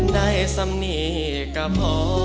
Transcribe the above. ได้สำนีกกะพ่อ